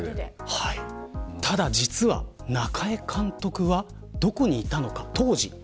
ただ実は、中江監督はどこにいたのか。